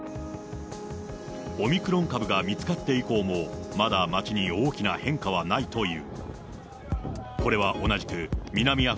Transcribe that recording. オミクロン株が見つかって以降も、まだ街に大きな変化はないという。